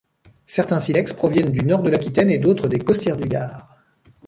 Certains silex proviennent du nord de l’Aquitaine et d’autres des Costières du Gard.